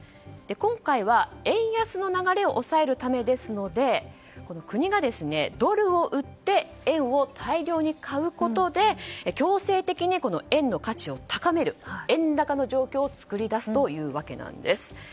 今回は、円安の流れを抑えるためですので国がドルを売って円を大量に買うことで強制的に円の価値を高める円高の状況を作り出すということです。